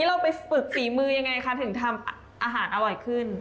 เราไปฝึกฝีมือยังไงคะถึงทำอาหารอร่อยขึ้น